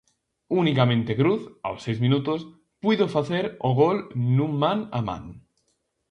Unicamente Cruz, aos seis minutos, puido facer o gol nun man a man.